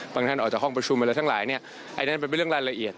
พี่สาอุปสรรควันนี้ยังไงบ้างนะครับ